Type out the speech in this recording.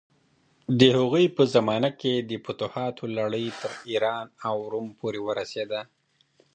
د هغوی په زمانه کې د فتوحاتو لړۍ تر ایران او روم پورې ورسېده.